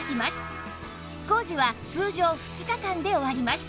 工事は通常２日間で終わります